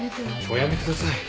おやめください。